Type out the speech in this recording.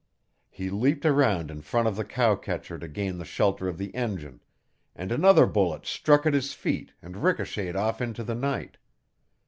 He leaped around in front of the cowcatcher to gain the shelter of the engine, and another bullet struck at his feet and ricocheted off into the night.